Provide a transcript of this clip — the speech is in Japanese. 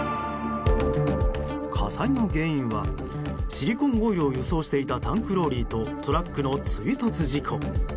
火災の原因はシリコンオイルを輸送していたタンクローリーとトラックの追突事故。